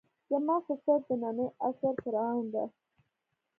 زما خُسر د نني عصر فرعون ده.